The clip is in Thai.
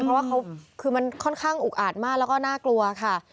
เพราะว่าเขาคือมันค่อนข้างอุกอาดมากแล้วก็น่ากลัวค่ะ